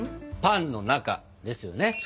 「パンの中」ですよね？